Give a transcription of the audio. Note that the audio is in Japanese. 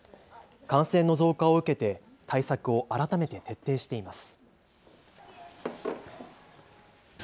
感染の増加を受けて対策を改めて徹底しています。